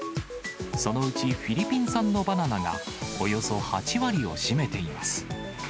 そのうちフィリピン産のバナナがおよそ８割を占めています。